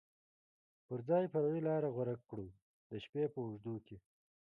پر ځای فرعي لارې غوره کړو، د شپې په اوږدو کې.